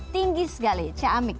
tinggi sekali ciamik